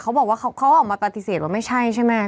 เขาออกมาตะติเสร็จไม่ใช่ใช่มั้ย